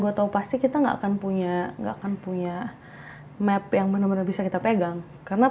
gue tahu pasti kita nggak akan punya nggak akan punya map yang benar benar bisa kita pegang karena